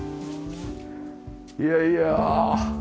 いやいや。